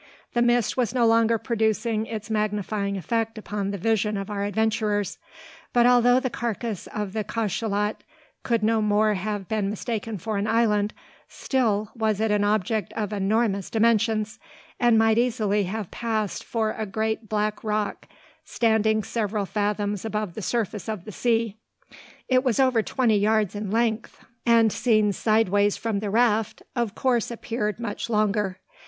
The mist was no longer producing its magnifying effect upon the vision of our adventurers; but although the carcass of the cachalot could no more have been mistaken for an island, still was it an object of enormous dimensions; and might easily have passed for a great black rock standing several fathoms above the surface of the sea. It was over twenty yards in length; and, seen sideways from the raft, of course appeared much longer.